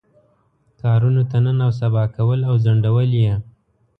کارونو ته نن او سبا کول او ځنډول یې.